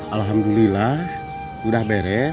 alhamdulillah udah beres